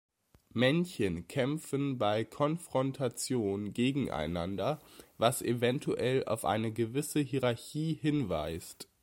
Männchen kämpfen bei Konfrontation gegeneinander, was eventuell auf eine gewisse Hierarchie hinweist.